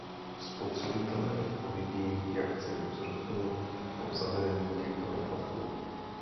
Spotřebitelé uvidí, jak ceny vzrostou po zavedení těchto poplatků.